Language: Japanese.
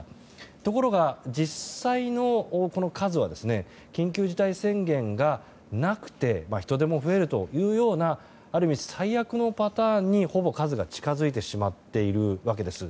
ところが、実際の数は緊急事態宣言がなくて人出も増えるというようなある意味最悪なパターンにほぼ数が近づいてしまっているわけです。